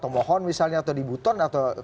tomohon misalnya atau di buton